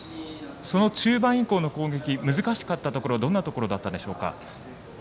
その中盤以降の攻撃難しかったところはどんなところだったでしょうか？